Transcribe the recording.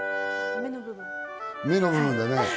目の部分だね。